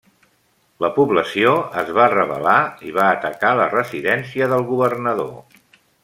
La població es va rebel·lar i va atacar la residència del governador.